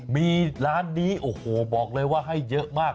มีร้านนี้โอ้โหบอกเลยว่าให้เยอะมาก